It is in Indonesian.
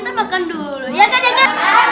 semuanya udah pada